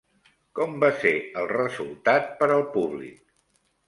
Com va ser el resultat per al públic?